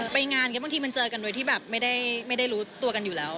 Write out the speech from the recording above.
ไปงานก็บางทีมันเจอกันโดยที่แบบไม่ได้รู้ตัวกันอยู่แล้ว